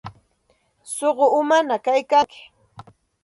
Suqu umañaq kaykanki.